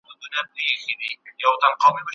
¬ غويی د وښو په زور چلېږي، هل د مټ په زور.